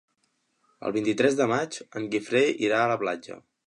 El vint-i-tres de maig en Guifré irà a la platja.